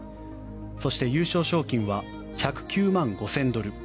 優勝賞金は１０９万５０００ドル